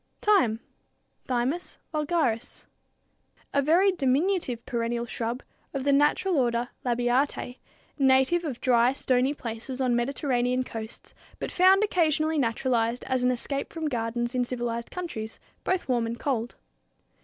[Illustration: Thyme for Sausage] =Thyme= (Thymus vulgaris, Linn.), a very diminutive perennial shrub, of the natural order Labiatæ, native of dry, stony places on Mediterranean coasts, but found occasionally naturalized as an escape from gardens in civilized countries, both warm and cold.